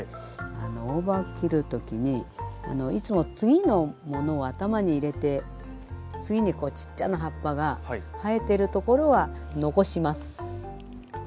大葉を切る時にいつも次のものを頭に入れて次にちっちゃな葉っぱが生えてるところは残します。